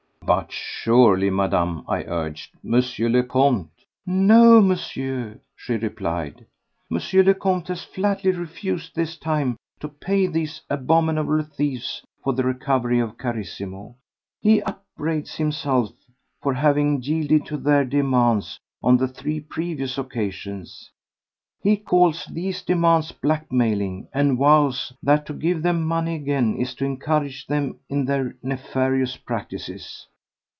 "But surely, Madame," I urged, "M. le Comte ..." "No, Monsieur," she replied. "M. le Comte has flatly refused this time to pay these abominable thieves for the recovery of Carissimo. He upbraids himself for having yielded to their demands on the three previous occasions. He calls these demands blackmailing, and vows that to give them money again is to encourage them in their nefarious practices.